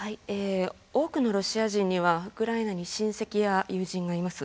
多くのロシア人にはウクライナに親戚や友人がいます。